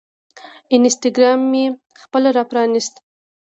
انسټاګرام مې خپل راپرانیست